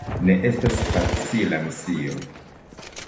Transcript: Ne estas facila misio!